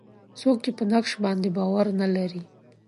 څوک یې په نقش باندې باور نه لري.